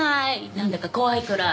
なんだか怖いくらい。